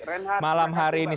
terima kasih renhard